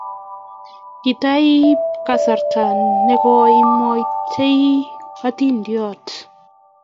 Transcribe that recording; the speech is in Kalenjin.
kataibe kasarta ne koi imwaite hatindiot